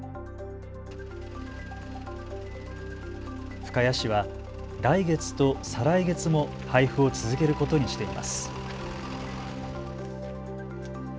深谷市は来月と再来月も配付を続けることにしています。